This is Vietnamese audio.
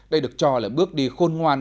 đây được cho là bước đi khôn ngoan